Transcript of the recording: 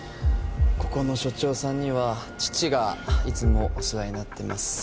ここの署長さんには父がいつもお世話になってます。